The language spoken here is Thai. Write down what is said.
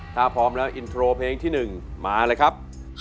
ถ้าพร้อมแล้วอินโทรเพลงที่๑มาเลยครับ